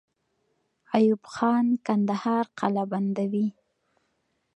ایوب خان کندهار قلابندوي.